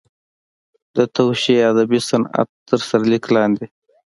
د توشیح ادبي صنعت تر سرلیک لاندې.